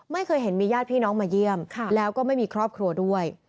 ไม่เคยเห็นมีญาติพี่น้องมาเยี่ยมแล้วก็ไม่มีครอบครัวด้วย